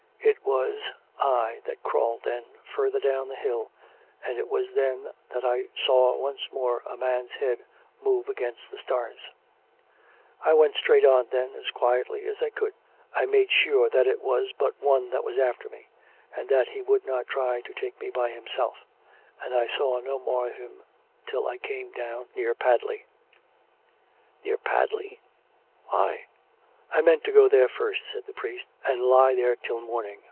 ... It was I that crawled then, further down the hill, and it was then that I saw once more a man's head move against the stars. " I went straight on then, as quietly as I could. I made sure that it was but one that was after me, and that he would not try to take me by himself, and I saw no more of him till I came down near Padley " "NearPadley? Why " COME RACK! COME ROPE! 417 " I meant to go there first," said the priest, " and lie there till morning.